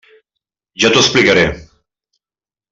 Ja t'ho explicaré.